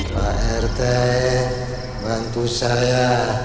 pak rt bantu saya